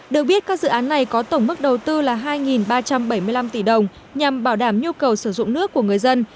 được biết các dự án này có tổng mức đầu tư là hai ba trăm bảy mươi năm tỷ đồng nhằm bảo đảm nhu cầu sử dụng nước của người dân